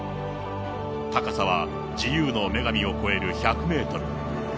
高さは自由の女神を超える１００メートル。